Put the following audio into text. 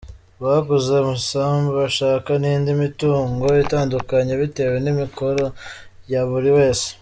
Baguze amasambu bashaka n’indi mitungo itandukanye bitewe n’amikoro ya buri wese.